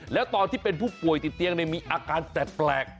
แล้วตอนที่เป็นผู้ป่วยติดเตียงมีอาการแปลก